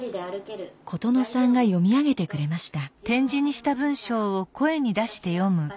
琴乃さんが読み上げてくれました。